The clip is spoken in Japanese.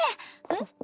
えっ？